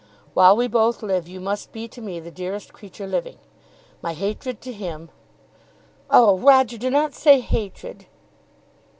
While we both live, you must be to me the dearest creature living. My hatred to him " "Oh, Roger, do not say hatred."